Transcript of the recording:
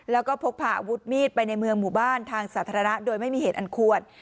แล้วก็พกพาอาวุธมีดไปในเมืองหมู่บ้านทางสาธารณะโดยไม่มีเหตุอันควร